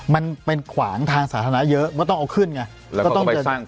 มันเป็นขวางทางสาธารณาเยอะมันต้องเอาขึ้นไงแล้วก็ไปสร้าง